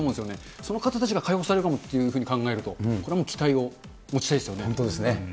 その方たちが解放されるかもって考えると、これはもう期待を本当ですね。